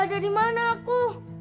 ada di mana aku